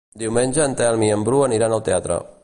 Diumenge en Telm i en Bru aniran al teatre.